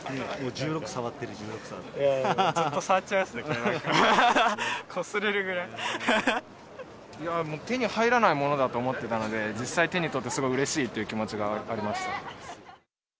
１６触ってる、ずっと触っちゃいますね、いやー、もう手に入らないものだと思ってたので、実際手にとってすごくうれしいという気持ちがありました。